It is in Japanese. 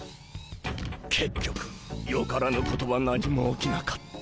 結局よからぬことは何も起きなかった。